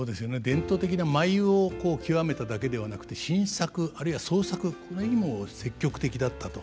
伝統的な舞を究めただけではなくて新作あるいは創作これにも積極的だったと。